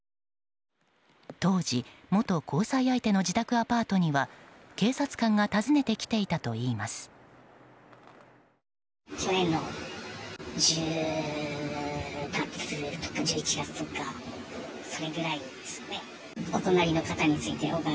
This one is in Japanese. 当時、元交際相手の自宅アパートには警察官が訪ねてきていたといいます。